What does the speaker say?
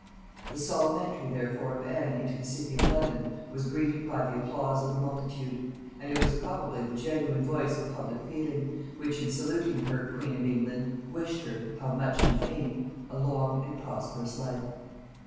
The solemn entry therefore of Anne into the city of London was greeted by the applause of the multitude; and it was probably the genuine voice of public feeling, which, in saluting her queen of England, wished her, how much in vain! a long and prosperous life.